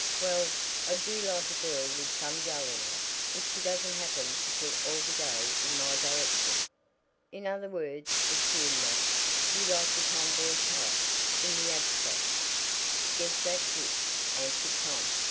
"Well, I do like a girl with some go in her, if she doesn't happen to put all the go in my direction." "In other words," assumed Nat, "you like the tomboy type in the abstract." "Guess that's it," answered Tom.